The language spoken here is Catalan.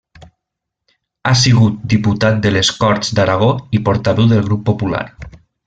Ha sigut diputat en les Corts d'Aragó i Portaveu del Grup Popular.